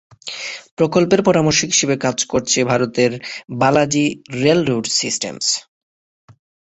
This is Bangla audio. প্রকল্পের পরামর্শক হিসেবে কাজ করছে ভারতের 'বালাজি রেল রোড সিস্টেমস'।